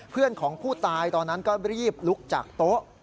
เพื่อนของผู้ตายตอนนั้นก็รีบลุกจากโต๊ะ